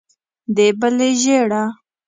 د بلې ژېړه.